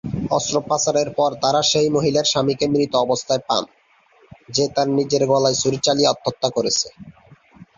অস্ত্রোপচারের পর তারা সেই মহিলার স্বামীকে মৃত অবস্থায় পান, যে তার নিজের গলায় ছুরি চালিয়ে আত্মহত্যা করেছে।